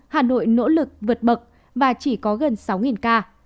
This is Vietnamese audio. hà nội nỗ lực vượt bậc và chỉ có gần sáu ca